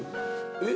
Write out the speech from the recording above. えっ？